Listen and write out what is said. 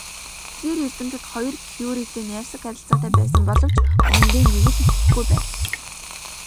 Эдгээр эрдэмтэд хоёр Кюретэй найрсаг харилцаатай байсан боловч үнэндээ нэг л итгэхгүй байв.